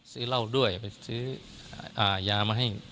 ซื้อเหล้าด้วยไปซื้ออาหยามาให้เสพด้วย